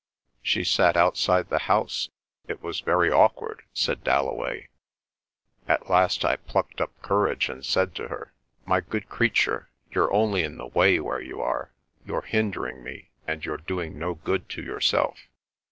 "She sat outside the house; it was very awkward," said Dalloway. "At last I plucked up courage and said to her, 'My good creature, you're only in the way where you are. You're hindering me, and you're doing no good to yourself.